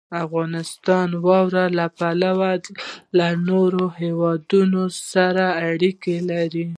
افغانستان د واوره له پلوه له نورو هېوادونو سره اړیکې لري.